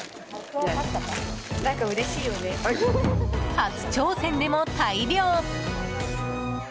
初挑戦でも大漁。